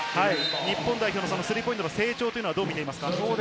日本代表のスリーポイントの成長をどう見ていますか？